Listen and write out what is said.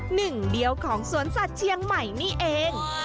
หนึ่งเดียวของสวนสัตว์เชียงใหม่นี่เอง